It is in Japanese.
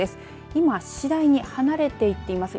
今、次第に離れていっています。